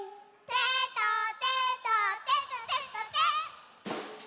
「テトテトテトテトテ」。